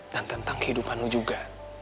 dan tentang kehidupan lo juga